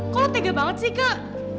kok lo tega banget sih kak